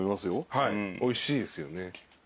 はいおいしいですよね。